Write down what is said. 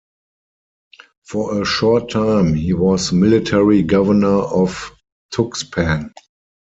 For a short time, he was Military Governor of Tuxpan.